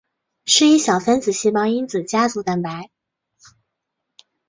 是一小分子细胞因子家族蛋白。